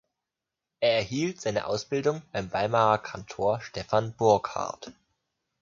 Er erhielt seine Ausbildung beim Weimarer Kantor Stephan Burckhard.